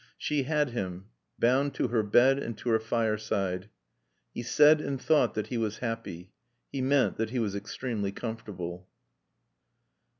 She had him, bound to her bed and to her fireside. He said and thought that he was happy. He meant that he was extremely comfortable.